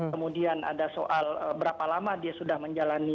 kemudian ada soal berapa lama dia sudah menjalani